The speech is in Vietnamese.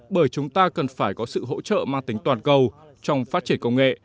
bởi chúng ta cần phải có sự hỗ trợ mang tính toàn cầu trong phát triển công nghệ